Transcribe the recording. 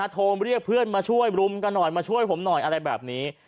โทรมาเรียกเพื่อนมาช่วยรุมกันหน่อยมาช่วยผมหน่อยอะไรแบบนี้